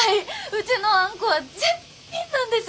うちのあんこは絶品なんです。